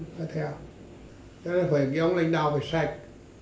cho nên phải cái gương lãnh đạo phải sạch